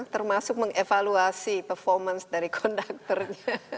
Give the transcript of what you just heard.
termasuk mengevaluasi performance dari conductornya